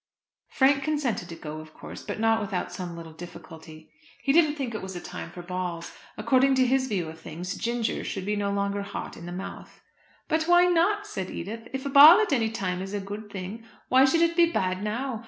Frank consented to go of course, but not without some little difficulty. He didn't think it was a time for balls. According to his view of things ginger should be no longer hot in the mouth. "But why not?" said Edith. "If a ball at any time is a good thing, why should it be bad now?